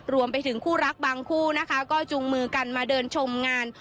รวมไปถึงคู่รักบางคู่นะคะก็จุงมือกันมาเดินชมงาน